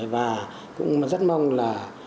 và cũng rất mong là